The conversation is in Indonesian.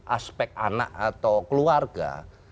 aspek anak atau keluarga